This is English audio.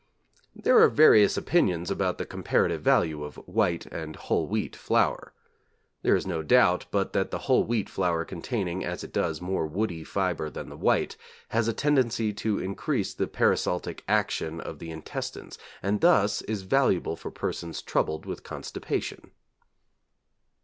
There are various opinions about the comparative value of white and whole wheat flour. There is no doubt but that the whole wheat flour containing, as it does, more woody fibre than the white, has a tendency to increase the peristaltic action of the intestines, and thus is valuable for persons troubled with constipation.